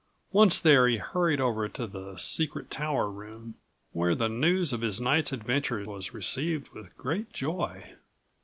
Once there he hurried over to the secret tower room, where the news of his night's adventure was received with great joy.